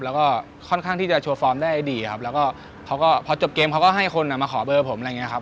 แล้วก็ค่อนข้างที่จะโชว์ฟอร์มได้ดีครับแล้วก็เขาก็พอจบเกมเขาก็ให้คนมาขอเบอร์ผมอะไรอย่างนี้ครับ